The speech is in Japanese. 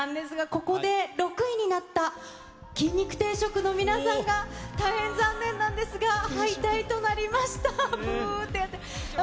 ここで６位になった筋肉定食の皆さんが、大変残念なんですが、敗退となりました。